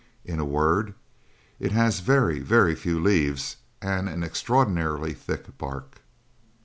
In a word, it has very, very few leaves, and an extraordinarily thick bark.